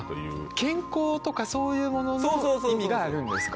健康とかそういうものの意味があるんですか。